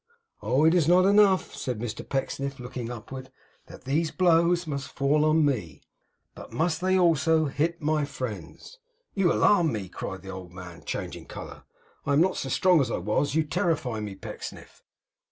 Oh! is it not enough,' said Mr Pecksniff, looking upward, 'that these blows must fall on me, but must they also hit my friends!' 'You alarm me,' cried the old man, changing colour. 'I am not so strong as I was. You terrify me, Pecksniff!